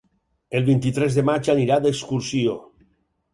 El vint-i-tres de maig anirà d'excursió.